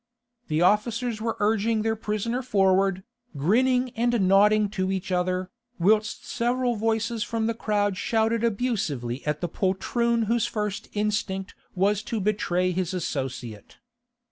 The officers were urging their prisoner forward, grinning and nodding to each other, whilst several voices from the crowd shouted abusively at the poltroon whose first instinct was to betray his associate.